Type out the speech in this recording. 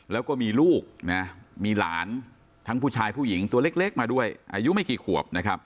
แล้วก็มีลูกนะมีหลานทั้งผู้ชายผู้หญิงตัวเล็กมาด้วยอายุไม่กี่ขวบนะครับ